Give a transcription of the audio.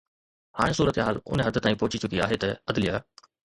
هاڻي صورتحال ان حد تائين پهچي چڪي آهي ته عدليه